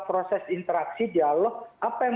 proses interaksi dialog apa yang